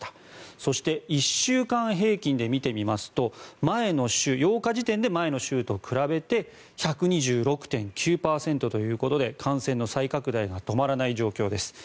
そして１週間平均で見てみますと８日時点で前の週と比べて１２６．９％ということで感染の再拡大が止まらない状況です。